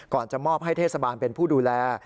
จะมอบให้เทศบาลเป็นผู้ดูแล